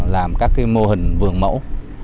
làm các mô hình vườn mẫu